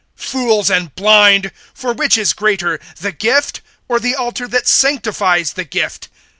(19)Fools and blind; for which is greater, the gift, or the altar that sanctifies the gift?